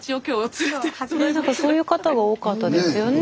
スタジオそういう方が多かったですよね。